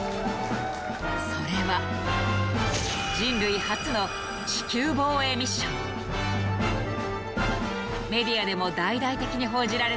それはメディアでも大々的に報じられた